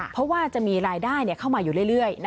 เพราะว่าจะมีรายได้เข้ามาอยู่เรื่อย